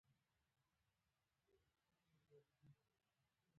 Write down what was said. جبار خان: زما هدف هغه نه و، هدف مې بل څه و.